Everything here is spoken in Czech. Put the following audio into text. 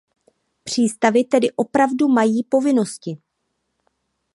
Přístavy tedy opravdu mají povinnosti.